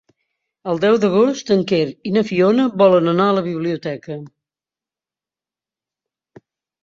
El deu d'agost en Quer i na Fiona volen anar a la biblioteca.